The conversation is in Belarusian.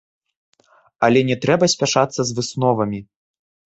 Але не трэба спяшацца з высновамі.